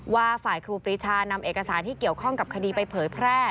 ว่าฝ่ายครูปรีชานำเอกสารที่เกี่ยวข้องกับคดีไปเผยแพร่